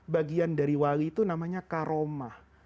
bagian dari wali itu namanya karomah